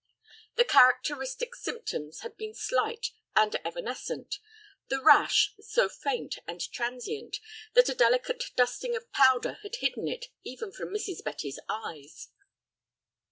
The characteristic symptoms had been slight and evanescent, the "rash" so faint and transient that a delicate dusting of powder had hidden it even from Mrs. Betty's eyes.